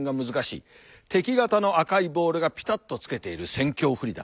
敵方の赤いボールがピタッとつけている戦況不利だ。